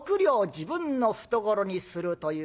自分の懐にするという。